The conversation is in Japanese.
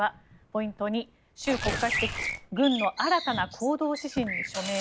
ポイント２、習国家主席軍の新たな行動指針に署名。